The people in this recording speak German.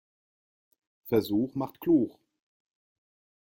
Versuch macht klug.